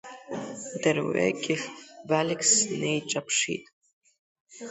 Дырҩегьых Валик снеиҿаԥшит…